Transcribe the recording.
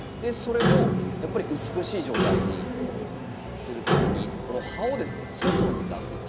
それをやっぱり美しい状態にするためにこの葉をですね外に出す。